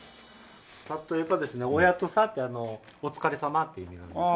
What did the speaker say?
例えばですね「オヤットサァ」って「お疲れさま」っていう意味なんです。